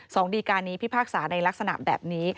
ดีการนี้พิพากษาในลักษณะแบบนี้